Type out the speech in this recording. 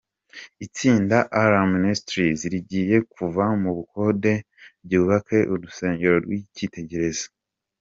Itsinda Alarm Ministries rigiye kuva mu bukode ryubake urusengero rw'ikitegerezo.